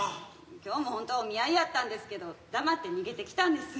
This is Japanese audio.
今日もほんとはお見合いやったんですけど黙って逃げてきたんです。